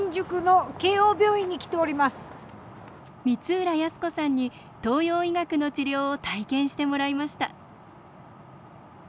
光浦靖子さんに東洋医学の治療を体験してもらいました。